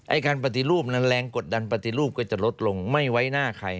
การปฏิรูปนั้นแรงกดดันปฏิรูปก็จะลดลงไม่ไว้หน้าใคร